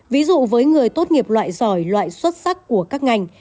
ví dụ với người tốt nghiệp loại giỏi loại xuất sắc của các ngành